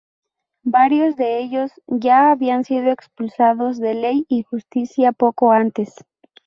Varios de ellos ya habían sido expulsados de Ley y Justicia poco antes.